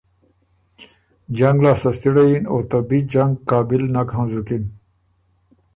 جنګ لاسته ستِړئ اِن، او ته بی جنګ قابل نک هنزُکِن۔